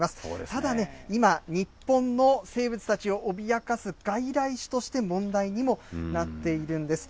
ただね、今、日本の生物たちを脅かす外来種として問題にもなっているんです。